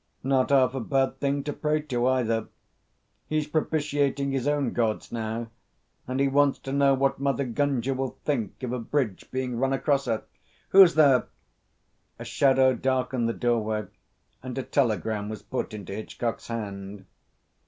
"Not half a bad thing to pray to, either. He's propitiating his own Gods now, and he wants to know what Mother Gunga will think of a bridge being run across her. Who's there?" A shadow darkened the doorway, and a telegram was put into Hitchcock's hand.